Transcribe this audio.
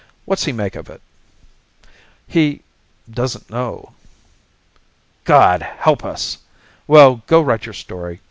What's he make of it?" "He doesn't know." "God help us! Well, go write your story.